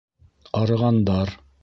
Арығандар.